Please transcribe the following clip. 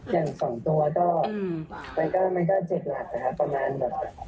อย่างสองตัวมันก็เจ็ดหลักนะครับ